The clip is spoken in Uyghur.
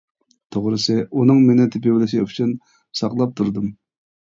توغرىسى ئۇنىڭ مېنى تېپىۋېلىشى ئۈچۈن ساقلاپ تۇردۇم.